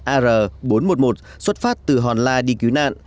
ar bốn trăm một mươi một xuất phát từ hòn la đi cứu nạn